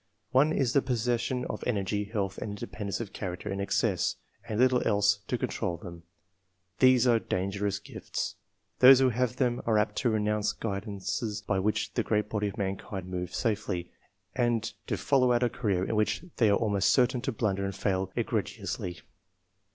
One, is the pos session of energy, health, and independence of character in excess, and little else to control them. These are dangerous gifts. Those who have them are apt to renounce guidances by which the great body of mankind move safely, and to follow out a career in which they are almost certain to blunder and fail egregiously.